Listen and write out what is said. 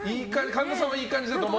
神田さんはいい感じだと思う？